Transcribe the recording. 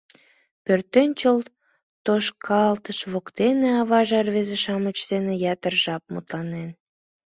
Пӧртӧнчыл тошкалтыш воктене аваже рвезе-шамыч дене ятыр жап мутланен.